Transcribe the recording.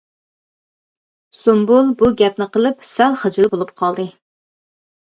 سۇمبۇل بۇ گەپنى قىلىپ سەل خىجىل بولۇپ قالدى.